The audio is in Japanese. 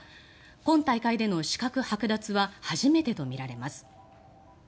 今大会での資格はく奪は初めてとみられます。